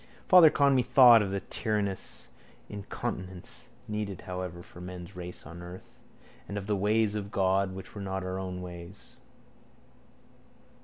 Father Conmee thought of that tyrannous incontinence, needed however for man's race on earth, and of the ways of God which were not our ways.